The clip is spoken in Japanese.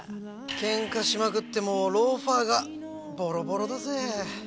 ケンカしまくってもうローファーがボロボロだぜ。